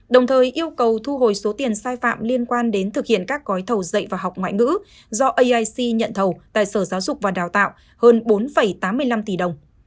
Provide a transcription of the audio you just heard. đồng thời yêu cầu thu hồi số tiền sai phạm liên quan đến thực hiện các gói thầu dạy và học ngoại ngữ do aic nhận thầu tại sở giáo dục và đào tạo hơn bốn tám mươi năm tỷ đồng